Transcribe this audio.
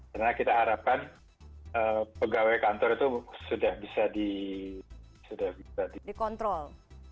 karena kita harapkan pegawai kantor itu sudah bisa dikontrol